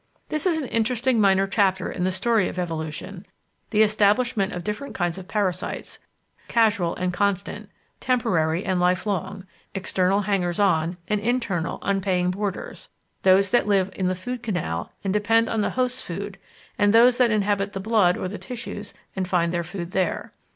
This is an interesting minor chapter in the story of evolution the establishment of different kinds of parasites, casual and constant, temporary and lifelong, external hangers on and internal unpaying boarders, those that live in the food canal and depend on the host's food and those that inhabit the blood or the tissues and find their food there.